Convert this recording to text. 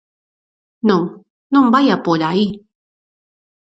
Non, non vaia por aí.